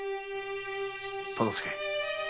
忠相。